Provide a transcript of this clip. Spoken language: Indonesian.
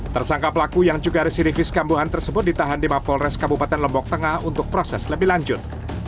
tersangka pelaku yang juga residivis kambuhan tersebut ditahan di mapolres kabupaten lombok tengah untuk proses lebih lanjut